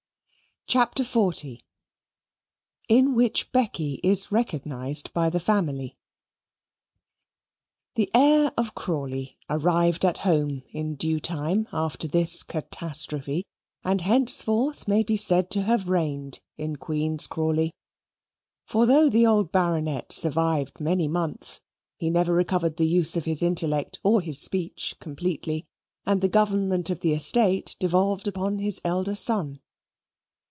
CHAPTER XL In Which Becky Is Recognized by the Family The heir of Crawley arrived at home, in due time, after this catastrophe, and henceforth may be said to have reigned in Queen's Crawley. For though the old Baronet survived many months, he never recovered the use of his intellect or his speech completely, and the government of the estate devolved upon his elder son.